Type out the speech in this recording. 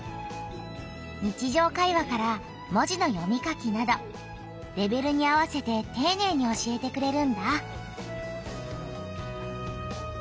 日じょう会話から文字の読み書きなどレベルに合わせてていねいに教えてくれるんだ。